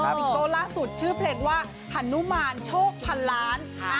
ตัวล่าสุดชื่อเพลงว่าฮันนุมารโชคพันล้าน